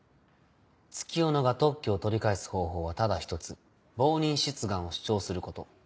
月夜野が特許を取り返す方法はただ一つ冒認出願を主張すること。